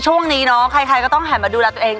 ช่วงนี้เนาะใครก็ต้องหันมาดูแลตัวเอง